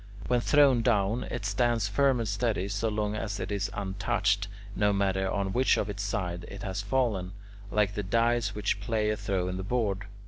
When thrown down, it stands firm and steady so long as it is untouched, no matter on which of its sides it has fallen, like the dice which players throw on the board.